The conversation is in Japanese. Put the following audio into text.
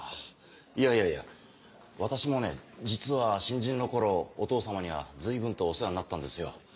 いやいやいや私もね実は新人の頃お父様には随分とお世話になったんですよ。